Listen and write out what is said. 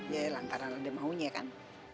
ya lantaran ada maunya kan